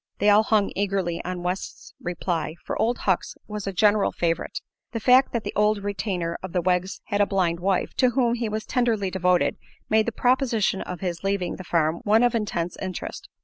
They all hung eagerly on West's reply, for Old Hucks was a general favorite. The fact that the old retainer of the Weggs had a blind wife to whom he was tenderly devoted made the proposition of his leaving the farm one of intense interest.